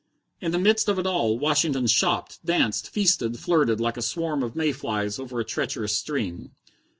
In the midst of it all, Washington shopped, danced, feasted, flirted, like a swarm of may flies over a treacherous stream.